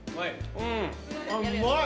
うまい！